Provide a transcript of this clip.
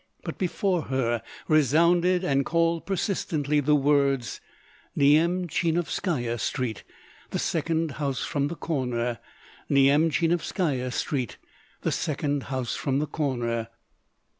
But before her resounded and called persistently the words: "Nyemchinovskaya Street, the second house from the corner. Nyemchinovskaya Street, the second house from the corner."